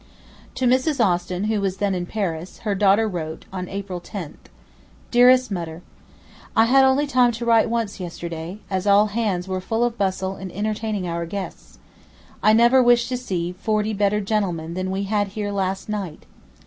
To Mrs. Austin, who was then in Paris, her daughter wrote, on April 10: DEAREST MUTTER, 'I had only time to write once yesterday, as all hands were full of bustle in entertaining our guests. I never wish to see forty better gentlemen than we had here last night.